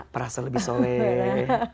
merasa lebih soleh